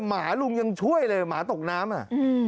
หมาลุงยังช่วยเลยหมาตกน้ำอ่ะ